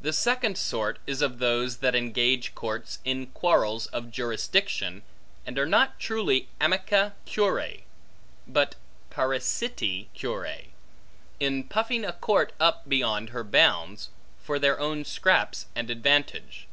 The second sort is of those, that engage courts in quarrels of jurisdiction, and are not truly amici curiae, but parasiti curiae, in puffing a court up beyond her bounds, for their own scraps and advantage.